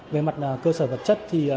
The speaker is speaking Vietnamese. về mặt cơ sở vật chất